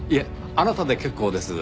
あなたで結構です。